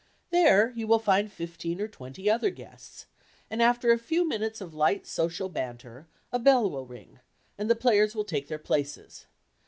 There you will find fifteen or twenty other guests, and after a few minutes of light social banter a bell will ring and the players will take their places.